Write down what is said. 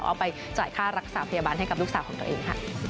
เอาไปจ่ายค่ารักษาพยาบาลให้กับลูกสาวของตัวเองค่ะ